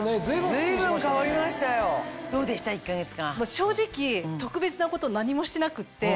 正直特別なこと何もしてなくって。